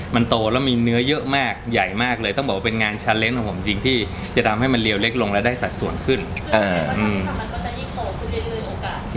มันโตแล้วมีเนื้อเยอะมากใหญ่มากเลยต้องบอกว่าเป็นงานชาเลนส์ของผมจริงที่จะทำให้มันเรียวเล็กลงและได้สัดส่วนขึ้น